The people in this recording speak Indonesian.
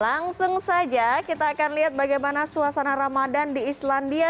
langsung saja kita akan lihat bagaimana suasana ramadan di islandia